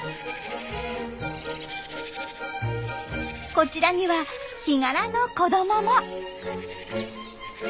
こちらにはヒガラの子どもも。